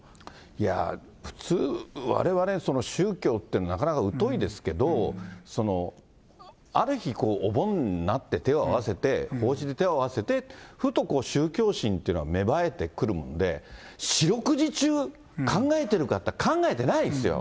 いやー、普通、われわれ、宗教ってなかなか疎いですけど、ある日、おぼんになって手を合わせて、おうちで手を合わせて、ふと宗教心というのは芽生えてくるんで、四六時中、考えてるかっていったら、考えてないですよ。